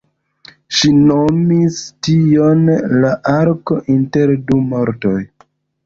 Ŝi nomis tion "la arko inter du mortoj".